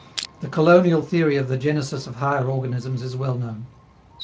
The "colonial" theory of the genesis of higher organisms is well known.